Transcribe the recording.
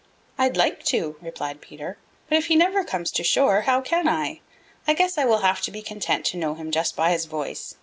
"I'd like to," replied Peter. "But if he never comes to shore, how can I? I guess I will have to be content to know him just by his voice.